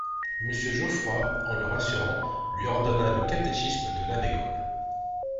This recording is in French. Monsieur Jeufroy, en le rassurant, lui ordonna le Catéchisme de l'abbé Gaume.